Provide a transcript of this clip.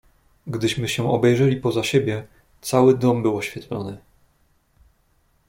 "Gdyśmy się obejrzeli poza siebie, cały dom był oświetlony."